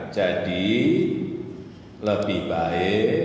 jadi lebih baik